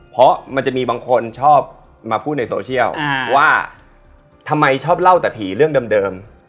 เพราะจะมีบางคนมาพูดในโซเชียลที่จะพูดถึงทำไมชอบเล่าแต่ผีเรื่องเดิม